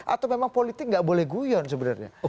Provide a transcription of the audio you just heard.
atau memang politik nggak boleh guyon sebenarnya